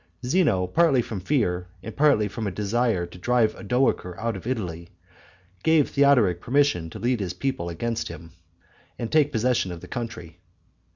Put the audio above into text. Zeno, partly from fear and partly from a desire to drive Odoacer out of Italy, gave Theodoric permission to lead his people against him, and take possession of the country.